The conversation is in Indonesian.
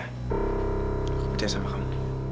aku percaya sama kamu